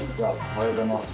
おはようございます。